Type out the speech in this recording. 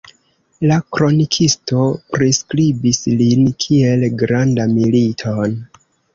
La kronikisto priskribis lin kiel granda militon.